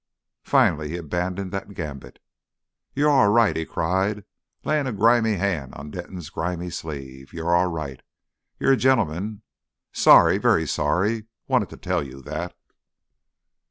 Finally he abandoned that gambit. "You're aw right," he cried, laying a grimy hand on Denton's grimy sleeve. "You're aw right. You're a ge'man. Sorry very sorry. Wanted to tell you that."